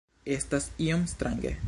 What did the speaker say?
Estas iom strange